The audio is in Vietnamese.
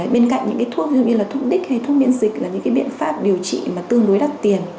bên cạnh những cái thuốc như là thuốc đích hay thuốc miễn dịch là những cái biện pháp điều trị mà tương đối đắt tiền